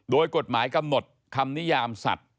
โดยกฎหมายกำหนดคำนิยามสัตว์